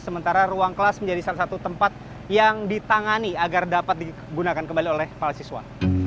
sementara ruang kelas menjadi salah satu tempat yang ditangani agar dapat digunakan kembali oleh para siswa